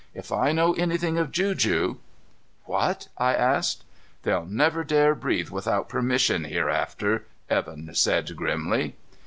If I know anything of juju " "What?" I asked. "They'll never dare breathe without permission hereafter," Evan said grimly.